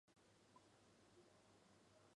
当年就在沂州府和沂水县建立了分驻地。